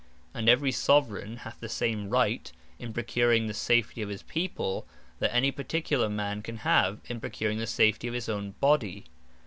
And every Soveraign hath the same Right, in procuring the safety of his People, that any particular man can have, in procuring the safety of his own Body.